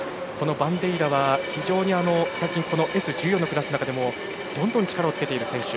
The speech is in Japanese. バンデイラはＳ１４クラスの中でも最近どんどん力をつけている選手。